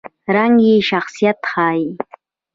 رنګ یې شخصیت ښيي.